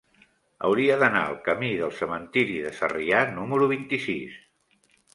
Hauria d'anar al camí del Cementiri de Sarrià número vint-i-sis.